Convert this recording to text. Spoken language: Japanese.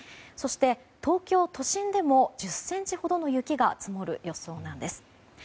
そして、東京都心でも１０ｃｍほどの雪が積る予想なんです。